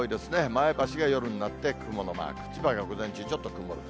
前橋が夜になって雲のマーク、千葉が午前中ちょっと曇る。